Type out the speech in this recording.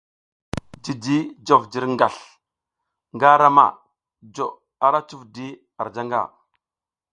Jiji jof jirgasl nga ara ma jo ara cuf di ar janga.